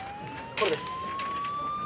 これです。